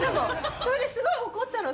それですごい怒ったの。